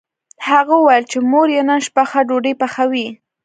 هغه وویل چې مور یې نن شپه ښه ډوډۍ پخوي